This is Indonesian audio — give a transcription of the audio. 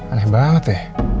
aneh banget ya